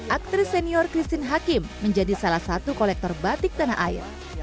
aktris senior christine hakim menjadi salah satu kolektor batik tanah air